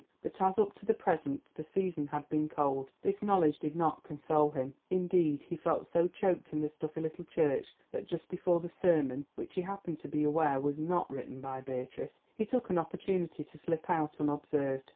But as up to the present, the season had been cold, this knowledge did not console him. Indeed he felt so choked in the stuffy little church that just before the sermon (which he happened to be aware was not written by Beatrice) he took an opportunity to slip out unobserved.